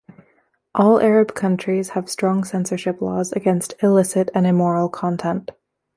All Arab countries have strong censorship laws against illicit and immoral content.